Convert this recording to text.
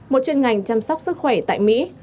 một chuyên ngành chăm sóc sức khỏe tại mỹ